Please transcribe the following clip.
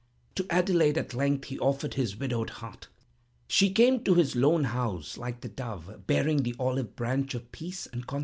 To Adelaide, at length, he offered his widowed heart. She came to his lone house like the dove, bearing the olive branch of peace and consolation.